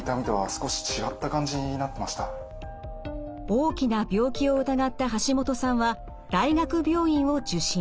大きな病気を疑ったハシモトさんは大学病院を受診。